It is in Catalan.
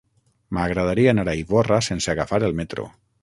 M'agradaria anar a Ivorra sense agafar el metro.